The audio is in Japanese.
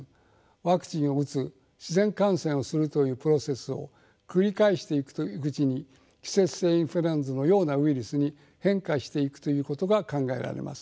ワクチンを打つ自然感染をするというプロセスを繰り返していくうちに季節性インフルエンザのようなウイルスに変化していくということが考えられます。